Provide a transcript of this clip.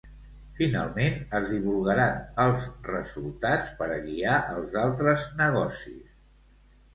Finalment, es divulgaran els resultats per a guiar els altres negocis.